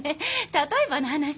例えばの話。